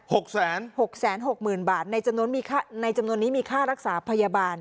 หกแสนหกแสนหกหมื่นบาทในจำนวนมีค่าในจำนวนนี้มีค่ารักษาพยาบาล